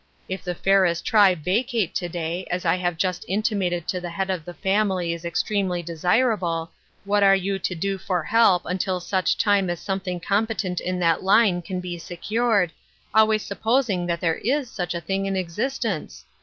" If the Ferris tribe vacate to day, as I have just intimated to the head of the family is extremely desirable, what are you to do for help until such time as something competent in that line can be secured, always supposing that there is such a thing in existence